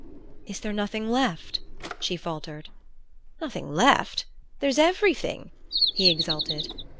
"Is there nothing left?" she faltered. "Nothing left? There's everything!" he exulted.